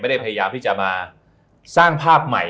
ได้พยายามที่จะมาสร้างภาพใหม่